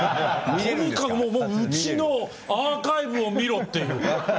とにかくうちのアーカイブを見ろっていう。